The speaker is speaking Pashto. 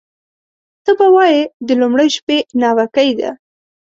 ته به وایې د لومړۍ شپې ناوکۍ ده